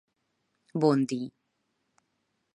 Bon dí.